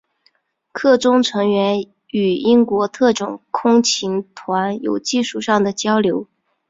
课中成员与英国特种空勤团有技术上的交流。